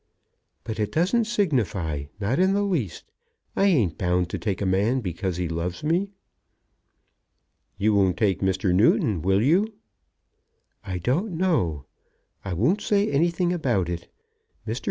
"But it doesn't signify, not the least. I ain't bound to take a man because he loves me." "You won't take Mr. Newton; will you?" "I don't know. I won't say anything about it. Mr.